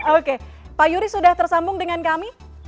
oke pak yuri sudah tersambung dengan kami